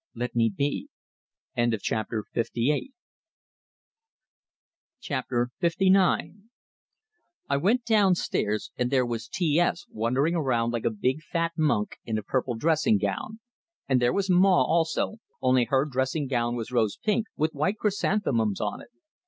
Let me be." LIX I went downstairs, and there was T S, wandering around like a big fat monk in a purple dressing gown. And there was Maw, also only her dressing gown was rose pink, with white chrysanthemums on it.